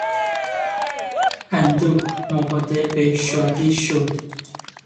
اندوه مبدل به شادی شد.